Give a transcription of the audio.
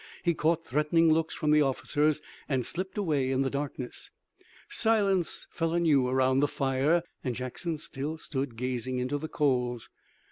He caught threatening looks from the officers and slipped away in the darkness. Silence fell anew around the fire, and Jackson still stood, gazing into the coals.